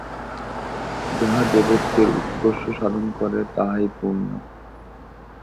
যাহা দেবত্বের উৎকর্ষ সাধন করে, তাহাই পুণ্য।